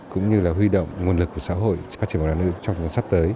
cũng như là huy động nguồn lực của xã hội phát triển bóng đá nữ trong thời gian sắp tới